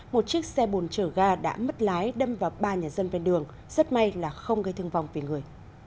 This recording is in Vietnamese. một chiếc xe bồn chở ga đã mất lái đâm vào ba nhà dân bên đường rất may là không gây thương vong về người